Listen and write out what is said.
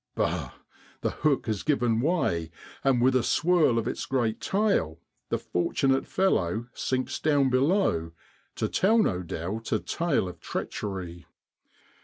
Bah! the hook has given way, and with a swirl of its great tail the fortunate fellow sinks down below to tell no doubt a tale of treachery.